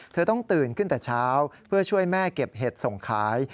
เธอต้องตื่นขึ้นแต่เช้าเพื่อช่วยแม่เก็บเห็ดส่งขาย